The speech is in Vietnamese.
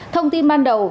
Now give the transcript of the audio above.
thông tin ban đầu